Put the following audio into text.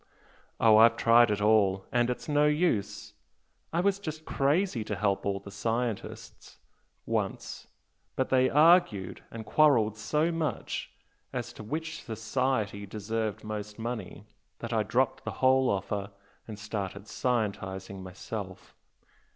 Oh, I've tried it all and it's no use. I was just crazy to help all the scientists, once! but they argued and quarrelled so much as to which 'society' deserved most money that I dropped the whole offer, and started 'scientising' myself.